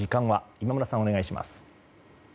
今村さん、お願いします。